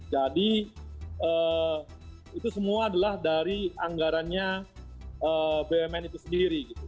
jadi itu semua adalah dari anggarannya bumn itu sendiri gitu